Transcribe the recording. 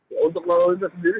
ya untuk lalu lintas sendiri